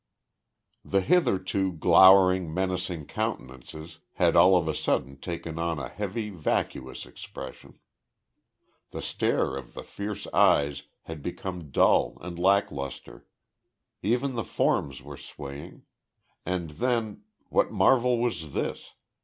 The hitherto glowering, menacing countenances, had all of a sudden taken on a heavy, vacuous expression. The stare of the fierce eyes had become dull and lack lustre. Even the forms were swaying. And then what marvel was this?